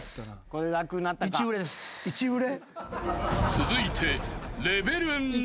［続いて］